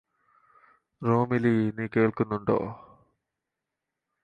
റോമിലീ നീ കേള്ക്കുന്നുണ്ടോ